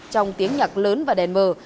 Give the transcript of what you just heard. trong tiếng nhạc lớn và đèn mờ